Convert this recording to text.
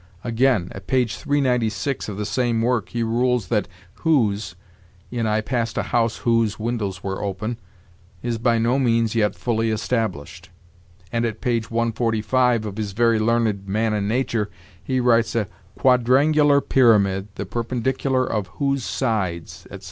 Again, at p. 396 of the same work, he rules that whose, in 'I passed a house whose windows were open,' is 'by no means yet fully established'; and at p. 145 of his very learned 'Man and Nature' he writes 'a quadrangular pyramid, the perpendicular of whose sides,' etc.